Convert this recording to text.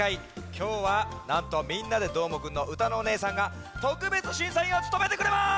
きょうはなんと「みんなＤＥどーもくん！」のうたのおねえさんがとくべつしんさいんをつとめてくれます！